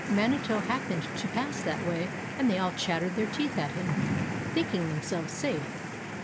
Manitou happened to pass that way and they all chattered their teeth at him, thinking themselves safe.